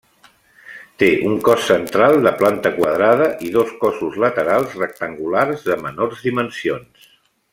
Té un cos central de planta quadrada, i dos cossos laterals rectangulars de menors dimensions.